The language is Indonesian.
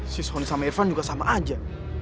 si sony sama irfan juga sama aja